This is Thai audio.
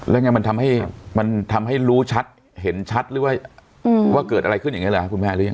แล้วมันทำให้รู้ชัดเห็นชัดว่าเกิดอะไรขึ้นอย่างนี้หรือครับคุณแม่